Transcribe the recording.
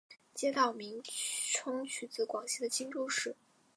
街道名称取自广西的钦州市。